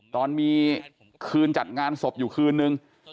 ตอนมีคืนจัดงานศพอยู่คืนนึง